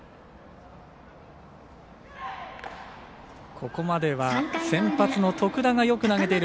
ここまでは先発の徳田がよく投げている。